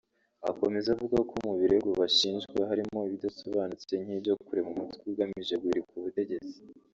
Akomeza avuga ko mu birego bashinjwa harimo ibidasobanutse nk’ibyo kurema umutwe ugamije guhirika ubutegetsi